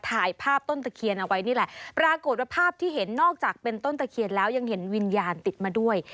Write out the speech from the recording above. ถ่ายภาพต้นตะเคียนเอาไว้นี่แหละปรากฏว่าภาพที่เห็นนอกจากเป็นต้นตะเคียนแล้วยังเห็นวิญญาณติดมาด้วย